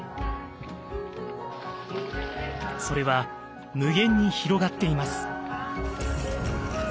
それは無限に広がっています。